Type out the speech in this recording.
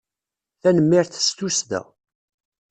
Tanemmirt s tussda!